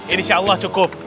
ini insya allah cukup